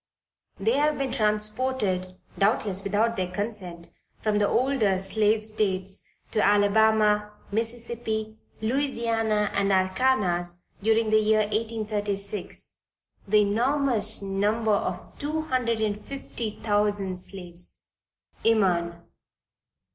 "There have been transported doubtless without their consent from the older slave states to Alabama, Mississippi, Louisiana, and Arkansas, during the year 1836, the enormous number of two hundred and fifty thousand slaves." _Eman.